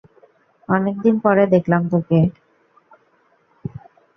অনেকদিন পরে দেখলাম তোমাকে।